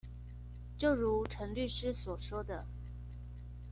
就如陳律師所說的